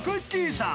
さん